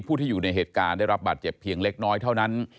ที่อยู่ในเหตุการณ์ได้รับบาดเจ็บเพียงเล็กน้อยเท่านั้น